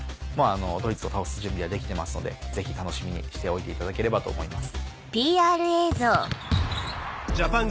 ドイツを倒す準備はできてますのでぜひ楽しみにしておいていただければと思います。